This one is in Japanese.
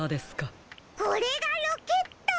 これがロケット。